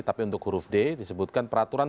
tapi untuk huruf d disebutkan peraturan